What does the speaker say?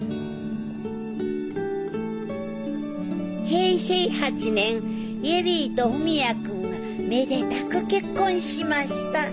平成８年恵里と文也君がめでたく結婚しました。